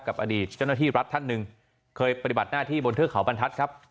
อดีตเจ้าหน้าที่รัฐท่านหนึ่งเคยปฏิบัติหน้าที่บนเทือกเขาบรรทัศน์ครับ